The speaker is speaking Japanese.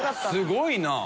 すごいな。